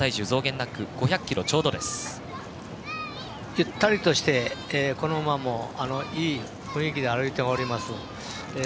ゆったりとして、この馬もいい雰囲気で歩いております。